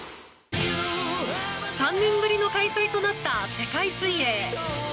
３年ぶりの開催となった世界水泳。